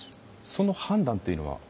その判断っていうのは？